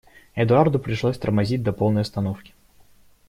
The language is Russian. Эдуарду пришлось тормозить до полной остановки.